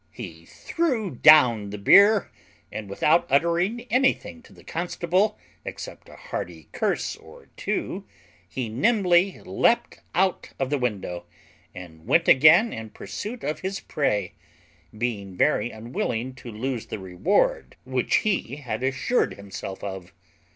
He threw down the beer, and, without uttering anything to the constable except a hearty curse or two, he nimbly leapt out of the window, and went again in pursuit of his prey, being very unwilling to lose the reward which he had assured himself of.